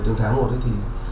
từng tháng một thì